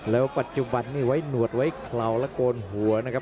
แล้วปัจจุบันนี้ไว้หนวดไว้เคลาและโกนหัวนะครับ